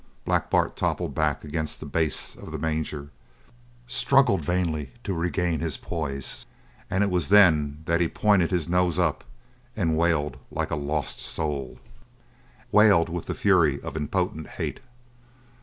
Black Bart toppled back against the base of the manger, struggled vainly to regain his poise, and it was then that he pointed his nose up, and wailed like a lost soul, wailed with the fury of impotent hate.